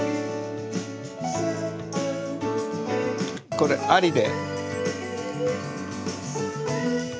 これありで。